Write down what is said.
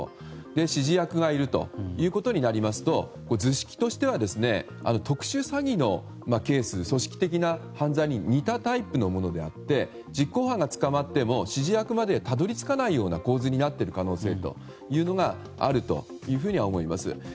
指示役がいるということになりますと図式としては特殊詐欺のケース組織的な犯罪に似たタイプのものであって実行犯が捕まっても指示役までにたどり着かないような構図になっている可能性があると思います。